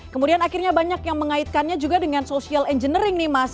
kemudian akhirnya banyak yang mengaitkannya juga dengan social engineering nih mas